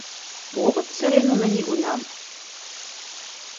Огыт сыре нуно нигунам?